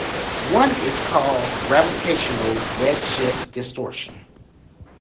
One is called gravitational redshift distortion.